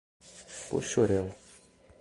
Poxoréu